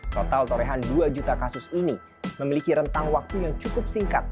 total torehan dua juta kasus ini memiliki rentang waktu yang cukup singkat